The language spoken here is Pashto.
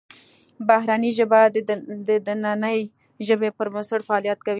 بهرنۍ ژبه د دنننۍ ژبې پر بنسټ فعالیت کوي